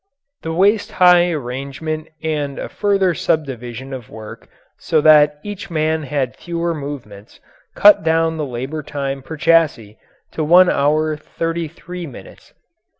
The waist high arrangement and a further subdivision of work so that each man had fewer movements cut down the labour time per chassis to one hour thirty three minutes.